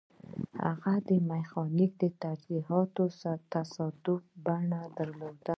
هغه میخانیکي تجهیزات تصادفي بڼه درلوده